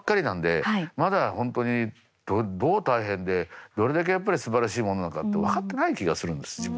なんでまだ本当にどう大変でどれだけやっぱりすばらしいものなのかって分かってない気がするんです